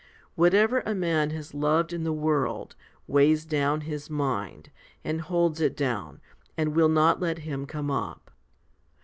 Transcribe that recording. Whatever a man has loved in the world, weighs down his mind, and holds it down, and will not let him come up.